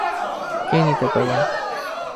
কে নিতে পারে?